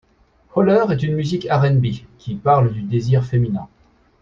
Holler est une musique r&b, qui parle du désir féminin.